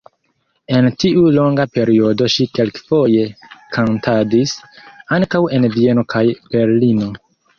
En tiu longa periodo ŝi kelkfoje kantadis ankaŭ en Vieno kaj Berlino.